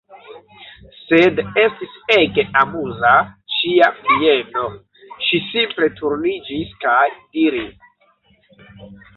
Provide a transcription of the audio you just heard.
Sed, estis ege amuza, ŝia mieno, ŝi simple turniĝis kaj diris: